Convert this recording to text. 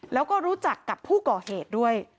แล้วก็รู้จักกับผู้ก่อเหตุด้วย